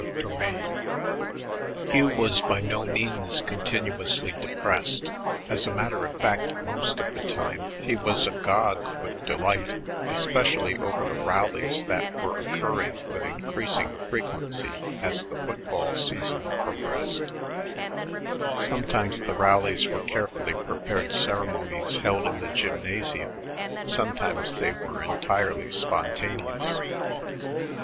CHAPTER IX Hugh was by no means continuously depressed; as a matter of fact, most of the time he was agog with delight, especially over the rallies that were occurring with increasing frequency as the football season progressed. Sometimes the rallies were carefully prepared ceremonies held in the gymnasium; sometimes they were entirely spontaneous.